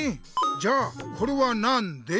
じゃあこれはなんで？